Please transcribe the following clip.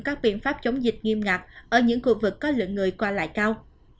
các biện pháp chống dịch nghiêm ngặt ở những khu vực có lượng người qua lại cao